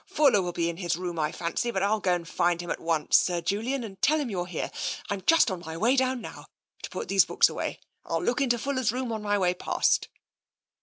Fuller will be in his room, I fancy, but Til go and find him at once, Sir Julian, and tell him you're here. I'm just on my way down now, to put these books away. rU look into Fuller's room on my. way past."